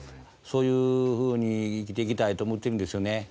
そういうふうに生きていきたいと思ってるんですよね。